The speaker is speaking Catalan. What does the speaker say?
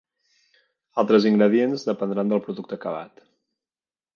Altres ingredients dependran del producte acabat.